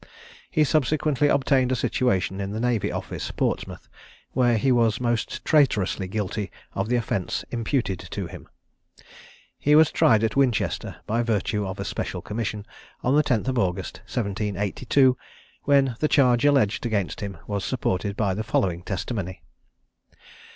He subsequently obtained a situation in the Navy Office, Portsmouth, where he was most traitorously guilty of the offence imputed to him. He was tried at Winchester, by virtue of a special commission, on the 10th of August, 1782, when the charge alleged against him was supported by the following testimony.